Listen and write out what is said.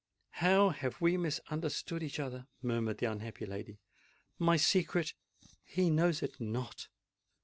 how have we misunderstood each other!" murmured the unhappy lady:—"my secret—he knows it not!"